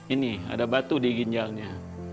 ini ada batu di ginjalnya